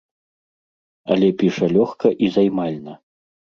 Але піша лёгка і займальна.